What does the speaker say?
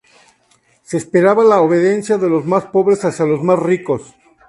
Se esperaba la obediencia de los más pobres hacia los más ricos.